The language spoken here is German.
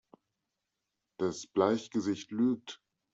Das Bleichgesicht lügt!